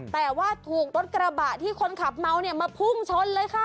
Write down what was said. แต่ว่าถูกรถกระบะที่คนขับเมาเนี่ยมาพุ่งชนเลยค่ะ